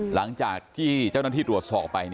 หลังจากที่เจ้าหน้าที่ตรวจสอบไป